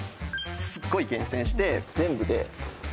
すっごい厳選して全部で２０作品